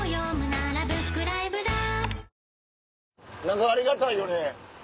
何かありがたいよね。